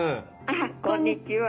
あっこんにちは。